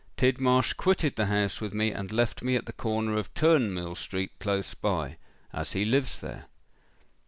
Tidmarsh quitted the house with me, and left me at the corner of Turnmill Street close by—as he lives there."